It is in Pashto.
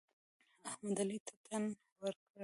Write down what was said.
احمد؛ علي ته تن ورکړ.